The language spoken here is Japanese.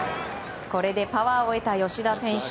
これでパワーを得た吉田選手。